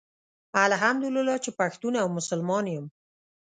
الحمدالله چي پښتون او مسلمان يم